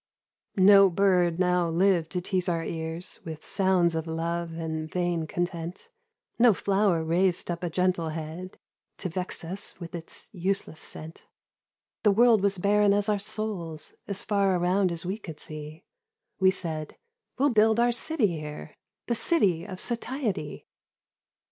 93 Kultur. No bird now lived to tease our ears With sounds of love and vain content, No flower raised up a gentle head To vex us with its useless scent ; The world was barren as our souls As far around as we could see ; We said, ' We'll build our city here, The City of Satiety.'